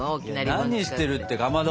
何してるってかまど。